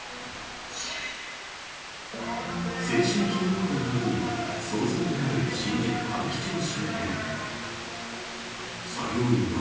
先週金曜日の夜騒然となる新宿歌舞伎町周辺。